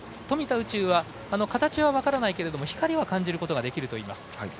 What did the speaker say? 宇宙は形は分からないけれども光は感じることはできるといいます。